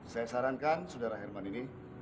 saya sarankan saudara herman ini